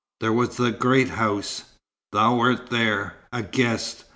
There was the great house. Thou wert there, a guest.